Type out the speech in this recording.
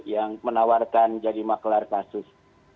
yang menawarkan jadi maklar kasus